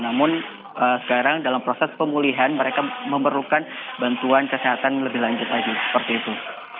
namun sekarang dalam proses pemulihan mereka memerlukan bantuan kesehatan lebih lanjut lagi seperti itu